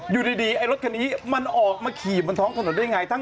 อยู่ดีรถคันนี้มันออกมาขี่บนท้องถนนได้อย่างไร